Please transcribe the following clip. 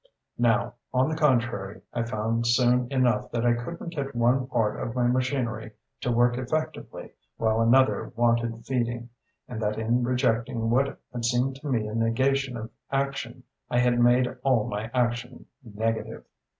Now, on the contrary, I found soon enough that I couldn't get one part of my machinery to work effectively while another wanted feeding: and that in rejecting what had seemed to me a negation of action I had made all my action negative.